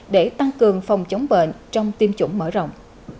để tăng cường phòng chống bệnh trong tiêm chủng mở rộng